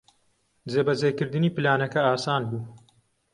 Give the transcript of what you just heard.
جێبەجێکردنی پلانەکە ئاسان بوو.